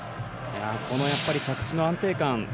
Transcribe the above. この着地の安定感。